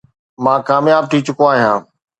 مان ڪامياب ٿي چڪو آهيان.